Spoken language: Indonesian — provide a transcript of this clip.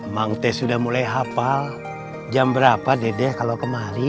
mangte sudah mulai hafal jam berapa dede kalau kemari